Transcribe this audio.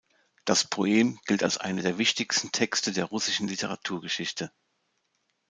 Das Poem gilt als einer der wichtigsten Texte der russischen Literaturgeschichte.